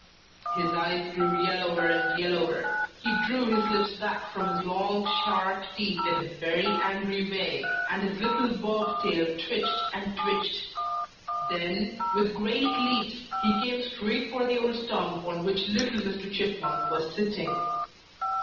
His eyes grew yellower and yellower, he drew his lips back from his long, sharp teeth in a very angry way, and his little bob tail twitched and twitched. Then, with great leaps, he came straight for the old stump on which little Mr. Chipmunk was sitting.